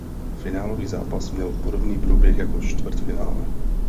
Finálový zápas měl podobný průběh jako čtvrtfinále.